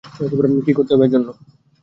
কী করতে হবে এর জন্য?